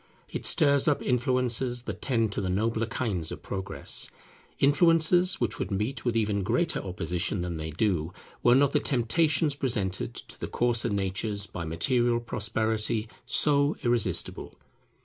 It stirs up influences that tend to the nobler kinds of Progress; influences which would meet with even greater opposition than they do, were not the temptations presented to the coarser natures by material prosperity so irresistible.